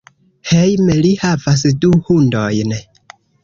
Hejme li havas du hundojn.